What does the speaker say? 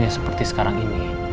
ya seperti sekarang ini